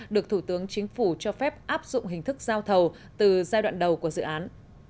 được thủ tướng chính phủ cho phép áp dụng hình thức giao thầu từ giai đoạn đầu của dự án